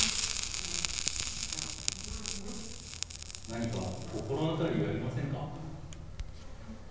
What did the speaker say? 何か心当たりありませんか？